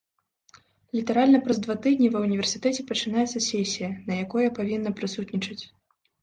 Літаральна праз два тыдні ва ўніверсітэце пачынаецца сесія, на якой я павінна прысутнічаць.